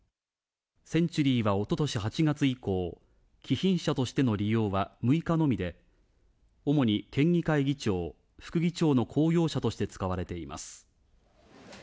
センチュリーはおととし８月以降、貴賓者としての利用は６日のみで、主に県議会議長、副議長の公用車として使われています。